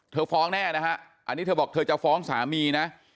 ฟ้องแน่นะฮะอันนี้เธอบอกเธอจะฟ้องสามีนะ